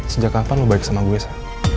sejak kapan lo baik sama gue esa